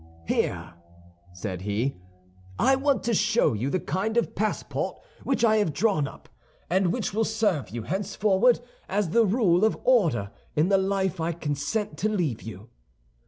"Here," said he, "I want to show you the kind of passport which I have drawn up, and which will serve you henceforward as the rule of order in the life I consent to leave you."